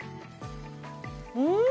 うん！